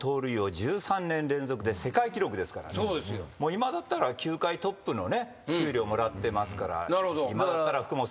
今だったら球界トップの給料もらってますから。